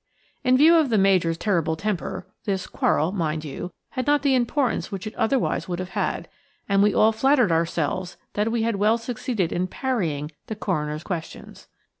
In view of the Major's terrible temper, this quarrel, mind you, had not the importance which it otherwise would have had; and we all flattered ourselves that we had well succeeded in parrying the coroner's questions.